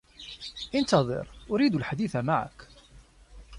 انتظر. أريد الحديث معك.